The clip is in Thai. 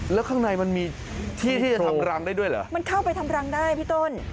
แล้วข้างในมันมีที่ที่จะทำรังได้ด้วยเหรอมันเข้าไปทำรังได้พี่ต้น